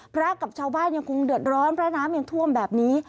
พระกับชาวบ้านยังคงเดือดร้อนเพราะน้ำยังท่วมแบบนี้